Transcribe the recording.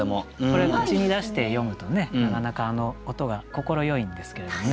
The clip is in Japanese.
これ口に出して読むとねなかなか音が快いんですけれどもね。